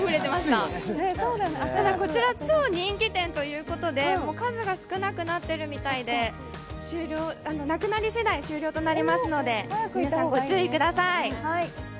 ただ、こちら超人気店ということで数が少なくなってるみたいで、なくなりしだい終了となりますので、皆さん、ご注意ください。